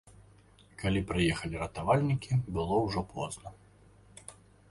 Калі прыехалі ратавальнікі, было ўжо позна.